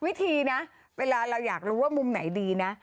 วิธีนะเวลาเราอยากรู้ว่ามุมไหนดีนะ